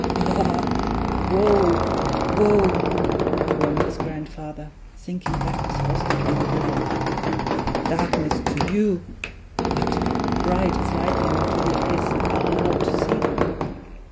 "Ah! woe! woe!" groaned his grandfather, sinking back exhausted on the pillow. "Darkness to you; but bright as lightning to the eyes that are allowed to see them.